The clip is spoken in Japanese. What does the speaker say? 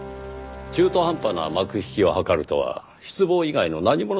中途半端な幕引きを図るとは失望以外の何ものでもありません。